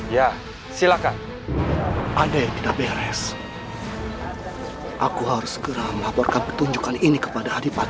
ya silakan ada yang tidak beres aku harus segera melaporkan pertunjukan ini kepada adipati